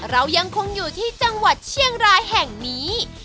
เรายังคงอยู่ที่จังหวัดเชียงรายแห่งนี้